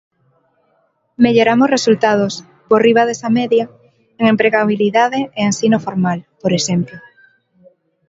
Melloramos resultados, por riba desa media, en empregabilidade e ensino formal, por exemplo.